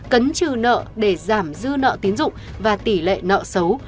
cấn trừ nợ để giảm dư nợ tín dụng và tỷ lệ nợ xấu